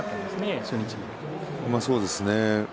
そうですね。